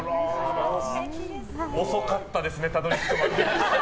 遅かったですねたどり着くまでに。